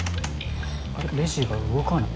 レジが動かない。